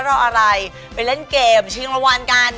รออะไรไปเล่นเกมชิงรางวัลกัน